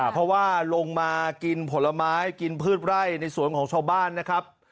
เพราะว่าลงมากินผลไม้กินพืชไร่ในสวนของชาวบ้านนะครับ